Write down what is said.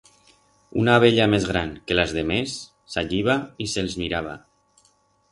Una abella mes gran que las demés salliba y se'ls miraba.